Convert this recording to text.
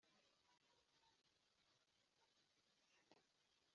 cyaru murse nyogoku ru mu girungu cyaboze